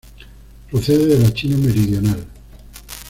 Procede de la China meridional.